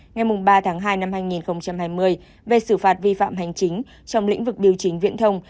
ngày ba tháng hai năm hai nghìn hai mươi về xử phạt vi phạm hành chính trong lĩnh vực điều chính viễn thông